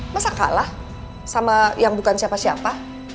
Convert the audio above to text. masa kalah sama yang bukan siapa siapa